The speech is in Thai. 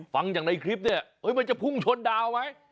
ฟังอย่างในคลิปเนี่ยมันจะพุ่งชนดาวไหม